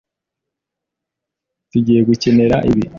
Tugiye gukenera ibi.